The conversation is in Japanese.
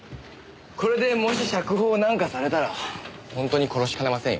これでもし釈放なんかされたら本当に殺しかねませんよ。